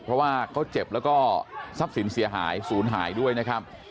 เพราะว่าเขาเจ็บแล้วก็ทรัพย์สินเสียหายศูนย์หายด้วยนะครับ